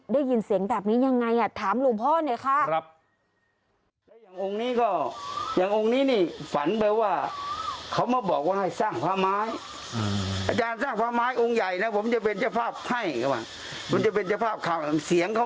ได้ยินเสียงแบบนี้ยังไงถามหลวงพ่อหน่อยค่ะ